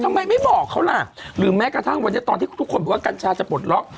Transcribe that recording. ทำไมไม่บอกเขาล่ะหรือแม้กระทั่งวันนี้ตอนที่ทุกคนบอกว่ากัญชาจะปลดล็อก